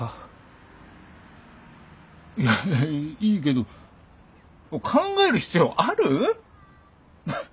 いやいいけど考える必要ある？